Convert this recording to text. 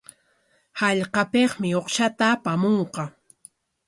Hallqapikmi uqshata apamunqa.